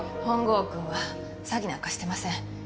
本郷くんは詐欺なんかしてません。